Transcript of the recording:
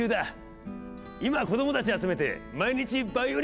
今子どもたち集めて毎日バイオリン教室ときたもんだ。